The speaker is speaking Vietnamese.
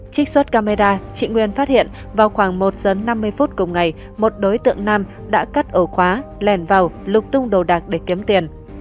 trích xuất camera chị nguyên phát hiện vào khoảng một giờ năm mươi phút cùng ngày một đối tượng nam đã cắt ổ khóa lèn vào lục tung đồ đạc để kiếm tiền